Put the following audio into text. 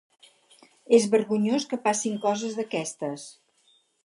És vergonyós que passin coses d'aquestes.